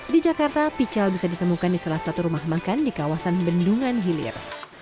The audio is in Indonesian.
di jakarta pical bisa ditemukan di salah satu rumah makan di kawasan bendungan hilir